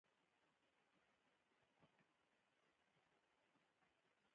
خو د ګرمسیر او زمین داور خلک تسلیم نشول.